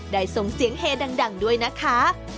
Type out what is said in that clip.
ส่งเสียงเฮดังด้วยนะคะ